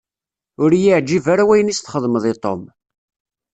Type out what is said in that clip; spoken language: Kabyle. Ur y-iεǧib ara wayen i s-txedmeḍ i Tom.